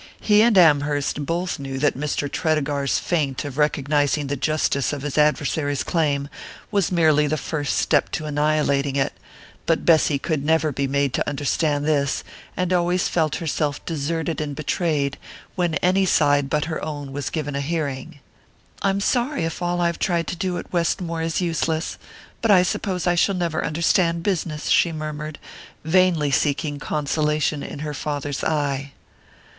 He and Amherst both knew that Mr. Tredegar's feint of recognizing the justice of his adversary's claim was merely the first step to annihilating it; but Bessy could never be made to understand this, and always felt herself deserted and betrayed when any side but her own was given a hearing. "I'm sorry if all I have tried to do at Westmore is useless but I suppose I shall never understand business," she murmured, vainly seeking consolation in her father's eye.